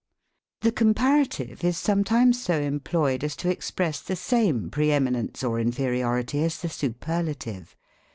The comparative is sometimes so employed as to express the same pre eminence or inferiority as the siiperlative.